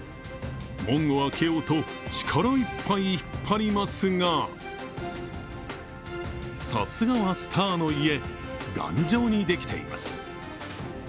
門を開けようと力いっぱい引っ張りますが、さすがはスターの家頑丈にできています。